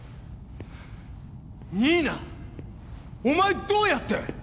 おまえどうやって！